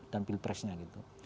dan pilih pressnya gitu